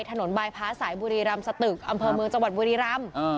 บายพ้าสายบุรีรำสตึกอำเภอเมืองจังหวัดบุรีรำ